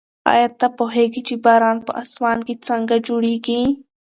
ایا ته پوهېږې چې باران په اسمان کې څنګه جوړېږي؟